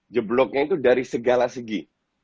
jebloknya itu dari segala segi